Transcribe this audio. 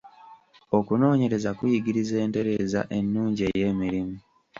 Okunoonyereza kuyigiriza entereeza ennungi ey'emirimu.